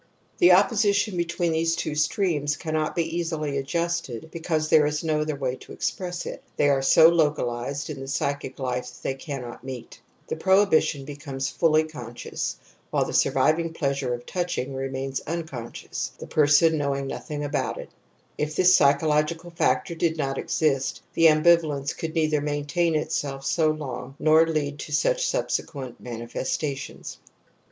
The opposition between these two streams cannot be easily adjusted because — there is no other way to express it — ^they are so localized in the psychic life that they cannot meet. ( The^ohibit^ becomes fully ^onsciou.^ wh^ethe^r^^ uncoE^cioi^the person knowing nothing about ilC)Itthis psychological factor did not exist the ambivalence could neither maintain itself so long nor lead to such subsequent manifestations.